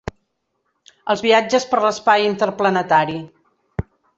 Els viatges per l'espai interplanetari.